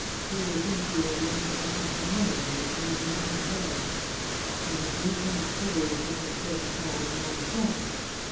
He will think you are going to ask him for money, and will begin to knit his brows. You must leave him to struggle with this unpleasant thought as long as possible.